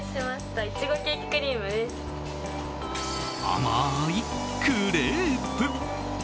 甘いクレープ。